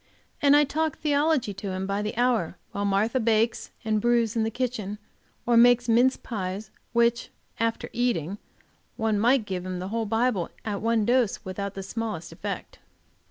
And I talk theology to him by the hour, while Martha bakes and brews in the kitchen, or makes mince pies, after eating which one might give him the whole Bible at one dose, without the smallest effect.